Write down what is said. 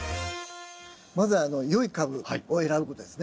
まずは良い株を選ぶことですね。